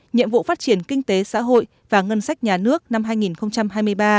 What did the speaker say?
nhiệm vụ phát triển kinh tế xã hội và ngân sách nhà nước năm hai nghìn hai mươi ba